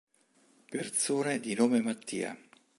Persone di nome Mattia